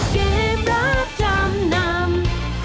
เกมรับจำนำ